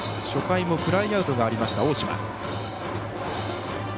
初回もフライアウトがありました、大島。